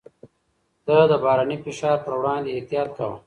ده د بهرني فشار پر وړاندې احتياط کاوه.